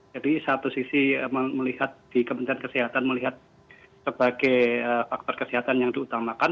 jadi satu sisi melihat di kementerian kesehatan melihat sebagai faktor kesehatan yang diutamakan